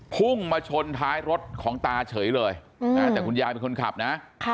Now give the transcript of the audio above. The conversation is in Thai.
พุ่งมาชนท้ายรถของตาเฉยเลยแต่คุณยายเป็นคนขับนะ